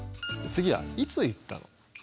次はいつ言ったの？